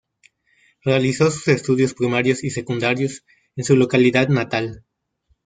Realizó sus estudios primarios y secundarios en su localidad natal.